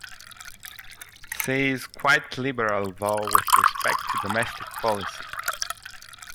She is quite liberal though with respect to domestic policy.